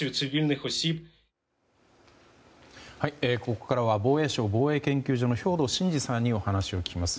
ここからは防衛省防衛研究所の兵頭慎治さんにお話を聞きます。